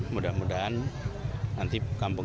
mudah mudahan nanti kampung kampung ini akan berfungsi